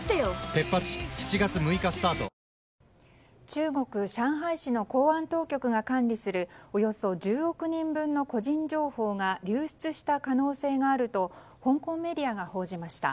中国・上海市の公安当局が管理するおよそ１０億人分の個人情報が流出した可能性があると香港メディアが報じました。